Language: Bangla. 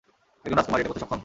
একজন রাজকুমারী এটা করতে সক্ষম?